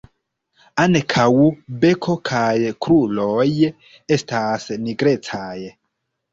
Ankaŭ beko kaj kruroj estas nigrecaj.